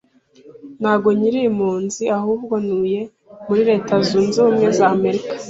ntago nkiri impunzi ahubwo ntuye muri leta zunze ubumwe za America